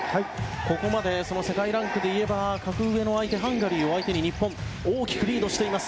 ここまで世界ランクでいえば格上のハンガリーを相手に日本は大きくリードしています。